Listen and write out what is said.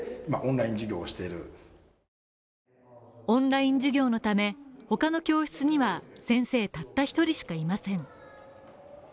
オンライン授業のため、他の教室には先生たった一人しかいません。